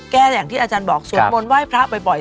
อย่างที่อาจารย์บอกสวดมนต์ไหว้พระบ่อย